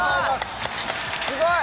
すごい！